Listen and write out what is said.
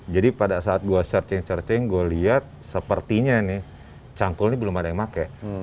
jadi pada saat gue searching searching gue liat sepertinya nih cangkul ini belum ada yang pake